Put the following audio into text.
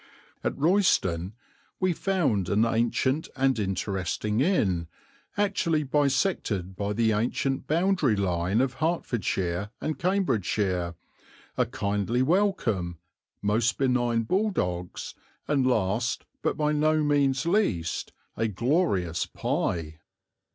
At Royston we found an ancient and interesting inn, actually bisected by the ancient boundary line of Hertfordshire and Cambridgeshire, a kindly welcome, most benign bulldogs, and last, but by no means least, a glorious pie.